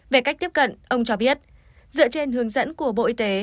về cách tiếp cận ông cho biết dựa trên hướng dẫn của bộ y tế